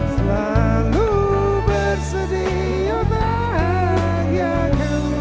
selalu bersedia bahagia kamu